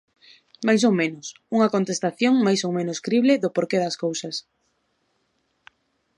Máis ou menos, unha contestación máis ou menos crible do porqué das cousas.